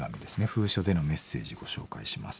封書でのメッセージご紹介します。